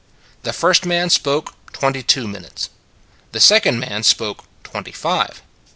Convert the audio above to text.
The first man spoke twenty two minutes. The second man spoke twenty five.